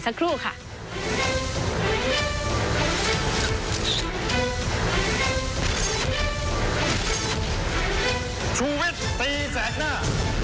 ชูวิสตีแสกหน้า